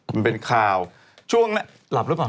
มันเป็นข่าวช่วงนั้นหลับหรือเปล่า